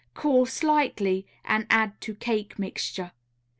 Cool slightly and add to cake mixture.